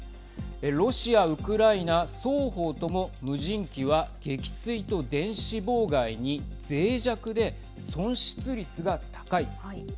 ロシア・ウクライナ双方とも無人機は撃墜と電子妨害にぜい弱で損失率が高い。